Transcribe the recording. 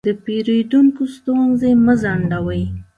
د پیرودونکو ستونزې مه ځنډوئ.